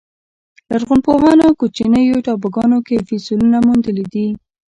لرغونپوهانو کوچنیو ټاپوګانو کې فسیلونه موندلي دي.